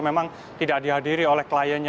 memang tidak dihadiri oleh kliennya